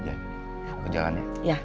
aku jalan ya